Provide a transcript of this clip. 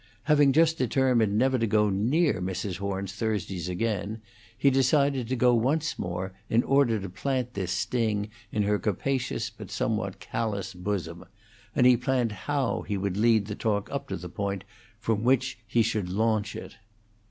Having just determined never to go near Mrs. Horn's Thursdays again, he decided to go once more, in order to plant this sting in her capacious but somewhat callous bosom; and he planned how he would lead the talk up to the point from which he should launch it.